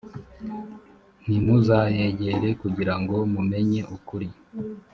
ntimuzayegere kugira ngo mumenye ukuri